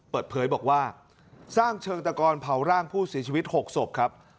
เปิดเผยบอกว่าสร้างเชิงตะกอนเผาร่างผู้เสียชีวิต๖ศพครับ